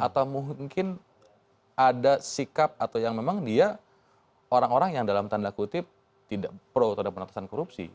atau mungkin ada sikap atau yang memang dia orang orang yang dalam tanda kutip tidak pro terhadap penatasan korupsi